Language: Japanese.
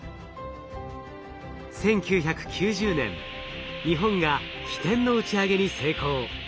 １９９０年日本が「ひてん」の打ち上げに成功。